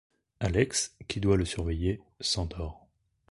Alex, qui doit le surveiller, s'endort.